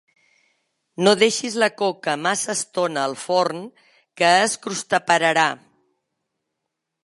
No deixis la coca massa estona al forn que es crostaperarà.